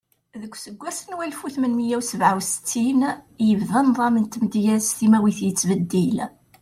Deg useggas n walef u tmenmiya u sebɛa U settin, yebda nḍam n tmedyazt timawit yettbeddil.